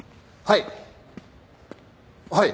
はい。